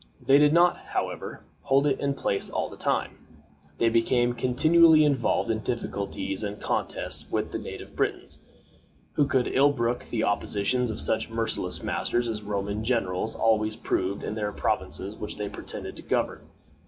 They did not, however, hold it in peace all this time. They became continually involved in difficulties and contests with the native Britons, who could ill brook the oppressions of such merciless masters as Roman generals always proved in the provinces which they pretended to govern.